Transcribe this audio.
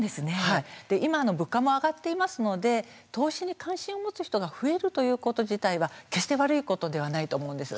今、物価も上がっていますので投資に関心を持つ人が増えるということ自体は決して悪いことではないと思うんです。